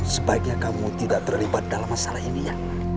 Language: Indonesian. sebaiknya kamu tidak terlibat dalam masalah ini ya